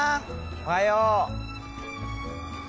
おはよう。